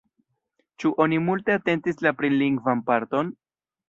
Ĉu oni multe atentis la prilingvan parton?